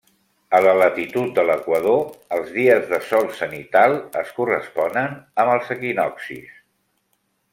A la latitud de l'equador, els dies de sol zenital es corresponen amb els equinoccis.